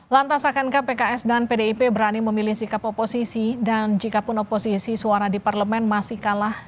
lantas akankah pks dan pdip berani memilih sikap oposisi dan jikapun oposisi suara di parlemen masih kalah